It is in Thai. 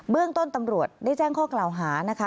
เรื่องต้นตำรวจได้แจ้งข้อกล่าวหานะคะ